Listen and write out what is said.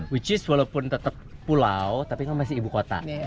which is walaupun tetap pulau tapi masih ibu kota